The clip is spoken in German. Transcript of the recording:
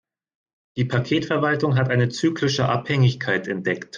Die Paketverwaltung hat eine zyklische Abhängigkeit entdeckt.